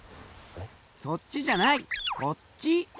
そっちじゃないこっち！